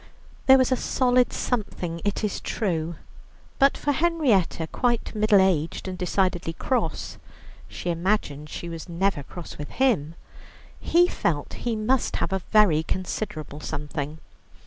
There was a solid something it is true, but for Henrietta, quite middle aged and decidedly cross (she imagined she was never cross with him), he felt he must have a very considerable something.